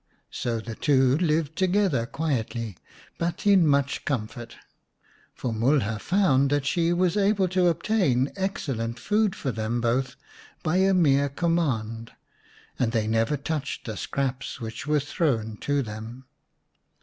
So the two lived together quietly but in much comfort, 232 xix The Beauty and the Beast for Mulha found that she was able to obtain excellent food for them both by a mere com mand, and they never touched the scraps which were thrown to them.